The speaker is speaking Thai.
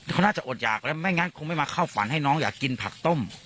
เขาน่าจะอดหยากแล้วไม่งั้นคงไม่มาเข้าฝันให้น้องอยากกินผักต้ม